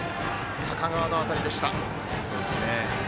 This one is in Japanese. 高川の当たりでした。